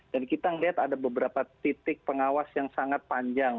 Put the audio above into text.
dan kita melihat ada beberapa titik pengawas yang sangat panjang